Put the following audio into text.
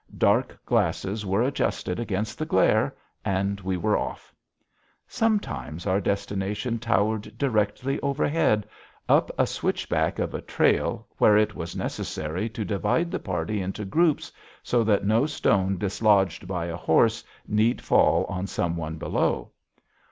Dark glasses were adjusted against the glare, and we were off. Sometimes our destination towered directly overhead, up a switchback of a trail where it was necessary to divide the party into groups, so that no stone dislodged by a horse need fall on some one below.